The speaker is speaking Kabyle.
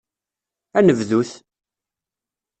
Ad nebdut!